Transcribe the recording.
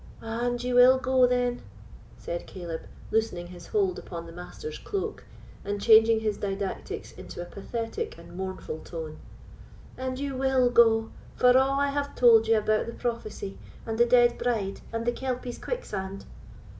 "And you will go, then?" said Caleb, loosening his hold upon the Master's cloak, and changing his didactics into a pathetic and mournful tone—"and you will go, for a' I have told you about the prophecy, and the dead bride, and the Kelpie's quicksand?